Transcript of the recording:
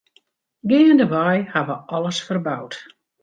Geandewei ha we alles ferboud.